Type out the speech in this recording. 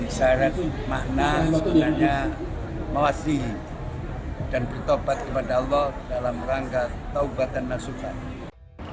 makna sebenarnya mawasi dan bertobat kepada allah dalam rangka taubatan masukannya